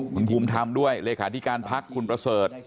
คุณภูมิธรรมด้วยเลขาธิการพักคุณประเสริฐ